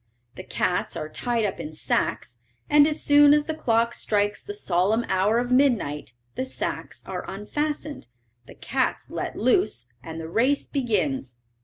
The cats are tied up in sacks, and as soon as the clock strikes the solemn hour of midnight the sacks are unfastened, the cats let loose, and the race begins.